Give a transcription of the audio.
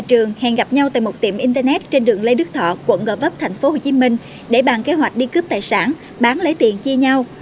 trường hẹn gặp nhau tại một tiệm internet trên đường lê đức thọ quận gò vấp tp hcm để bàn kế hoạch đi cướp tài sản bán lấy tiền chia nhau